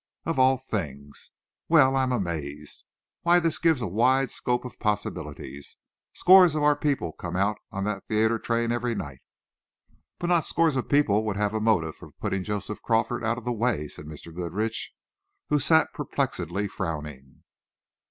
Of all things! Well, I am amazed! Why, this gives a wide scope of possibilities. Scores of our people come out on that theatre train every night." "But not scores of people would have a motive for putting Joseph Crawford out of the way," said Mr. Goodrich, who sat perplexedly frowning.